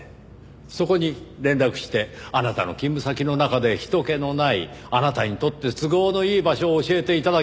そこに連絡してあなたの勤務先の中で人けのないあなたにとって都合のいい場所を教えて頂きました。